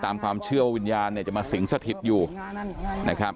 ตามความเชื่อว่าวิญญาณเนี่ยจะมาสิงสถิตอยู่นะครับ